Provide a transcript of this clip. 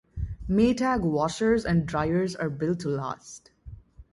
Maytag washers and dryers are built to last.